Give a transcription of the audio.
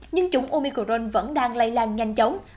nhưng chủng omicron vẫn đang lây lan nhanh chóng